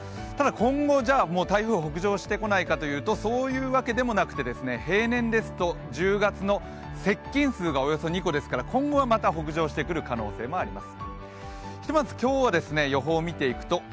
今後台風は北上してこないかというと、そういうわけでもなくて、平年ですと１０月の接近数がおよそ２個ですから今後また北上する可能性もあります。